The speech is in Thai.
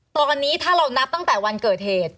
ตอนนี้ถ้าเรานับตั้งแต่วันเกิดเหตุ